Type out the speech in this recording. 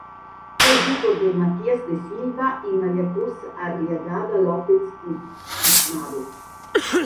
Fue hijo de Matías de Silva y María Cruz Arriagada López-Tiznado.